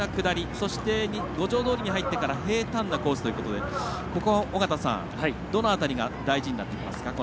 そして五条通に入ってから平たんなコースということでここは尾方さん、どの辺りが大事になってきますか？